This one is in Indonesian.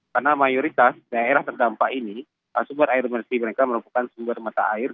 karena mayoritas daerah terdampak ini sumber air bersih mereka merupakan sumber mata air